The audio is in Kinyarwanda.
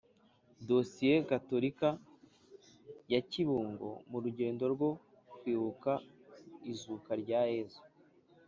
Diyosezi gatolika ya kibungo mu rugendo rwo kwibuka izuka rya yezu